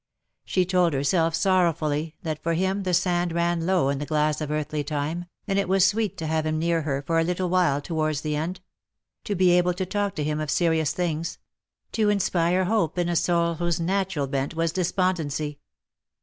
She told herself sorrowfully that for him the sand ran low in the glass of earthly time, and it was sweet to have him near her for a little while towards the end; to be able to talk to him of serious things — to inspire hope in a soul whose natural bent was despondency.